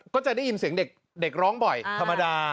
ก็จะได้ยินเสียงเด็กร้องบ่อยธรรมดา